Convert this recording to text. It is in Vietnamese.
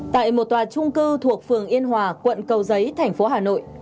tại một tòa trung cư thuộc phường yên hòa quận cầu giấy thành phố hà nội